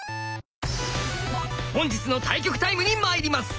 本日の対局タイムにまいります！